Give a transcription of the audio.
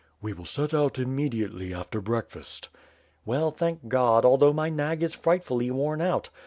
"We will set out immediately after breakfast." '^ell, thank God, although my nag is frightfully worn out."